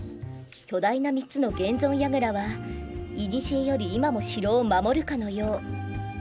巨大な３つの現存櫓はいにしえより今も城を守るかのよう。